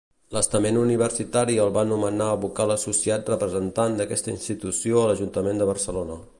L'estament universitari el va nomenar Vocal Associat representant d'aquesta institució a l'Ajuntament de Barcelona.